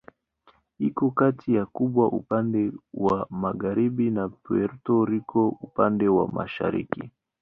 Iko kati ya Kuba upande wa magharibi na Puerto Rico upande wa mashariki.